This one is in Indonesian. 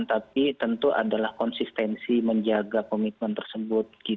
tapi tentu adalah konsistensi menjaga komitmen tersebut